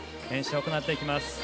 練習を行っていきます。